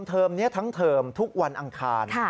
เทอมนี้ทั้งเทอมทุกวันอังคาร